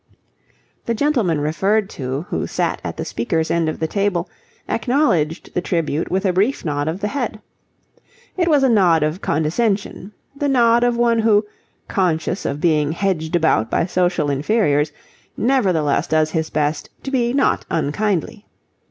The gentleman referred to, who sat at the speaker's end of the table, acknowledged the tribute with a brief nod of the head. It was a nod of condescension; the nod of one who, conscious of being hedged about by social inferiors, nevertheless does his best to be not unkindly.